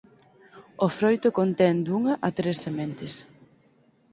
O froito contén dunha a tres sementes.